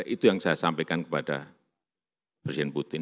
itu yang saya sampaikan kepada presiden putin